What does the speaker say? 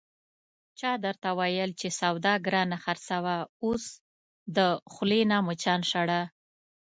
چا درته ویل چې سودا گرانه خرڅوه، اوس د خولې نه مچان شړه...